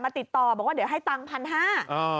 มันติดต่อเดี๋ยวให้มีเป็น๑๕๐๐บาท